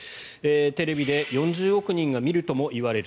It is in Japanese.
テレビで４０億人が見るとも言われる。